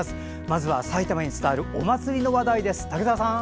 まずは埼玉に伝わるお祭りの話題です、竹澤さん。